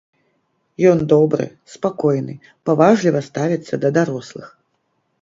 Ён добры, спакойны, паважліва ставіцца да дарослых.